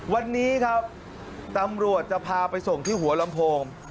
วันนี้ครับตำรวจจะพาไปส่งที่หัวลำโพง